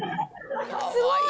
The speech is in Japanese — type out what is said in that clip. すごい。